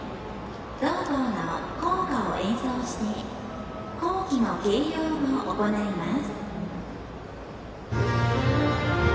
同校の校歌を演奏して校旗の掲揚を行います。